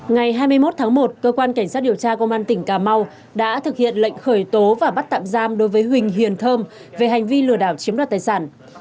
ngày hai mươi một tháng một cơ quan cảnh sát điều tra công an tỉnh cà mau đã thực hiện lệnh khởi tố và bắt tạm giam đối với huỳnh hiền thơm về hành vi lừa đảo chiếm đoạt tài sản